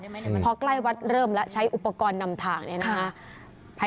พอใกล้วัดเริ่มแล้วใช้อุปกรณ์นำทางเนี่ยนะคะ